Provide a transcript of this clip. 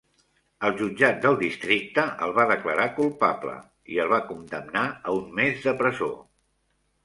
El jutjat del districte el va declarar culpable i el va condemnar a un mes de presó.